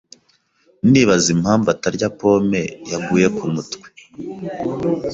Ndibaza impamvu atarya pome yaguye kumutwe.